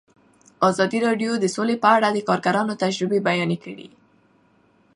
ازادي راډیو د سوله په اړه د کارګرانو تجربې بیان کړي.